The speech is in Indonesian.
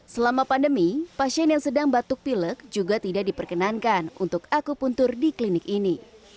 selama pandemi pasien yang sedang batuk pilek juga tidak diperkenankan untuk aku puntur di klinik ini